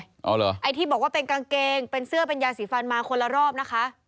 เอาเหรอไอ้ที่บอกว่าเป็นกางเกงเป็นเสื้อเป็นยาสีฟันมาคนละรอบนะคะ